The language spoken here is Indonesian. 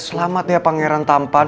selamat ya pangeran tampan